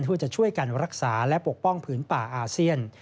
เพื่อจะช่วยกันรักษาและปกป้องผืนป่าอาเซียน